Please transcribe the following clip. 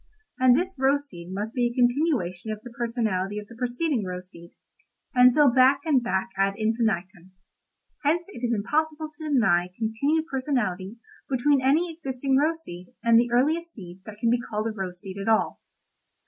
And this rose seed must be a continuation of the personality of the preceding rose seed—and so back and back ad infinitum. Hence it is impossible to deny continued personality between any existing rose seed and the earliest seed that can be called a rose seed at all.